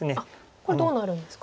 これどうなるんですか？